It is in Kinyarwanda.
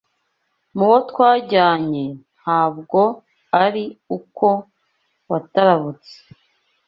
Mu bo twajyanye ntabwo ari uko watabarutse